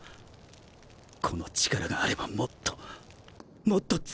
この力があればもっともっと強くなれる。